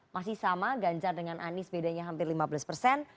masih sama ganjar dengan anies bedanya hampir lima belas persen